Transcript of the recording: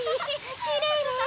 きれいね。